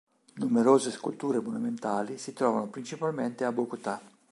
Numerose sculture monumentali si trovano principalmente a Bogotá.